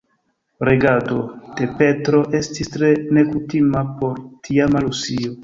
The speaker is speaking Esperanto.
Regado de Petro estis tre nekutima por tiama Rusio.